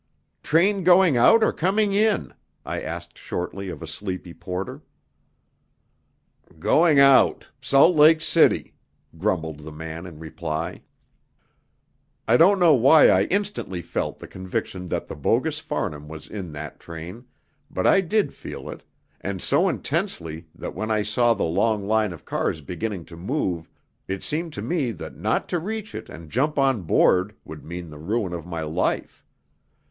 "Train going out or coming in?" I asked shortly of a sleepy porter. "Going out Salt Lake City," grumbled the man in reply. I don't know why I instantly felt the conviction that the bogus Farnham was in that train, but I did feel it, and so intensely that when I saw the long line of cars beginning to move it seemed to me that not to reach it and jump on board would mean the ruin of my life.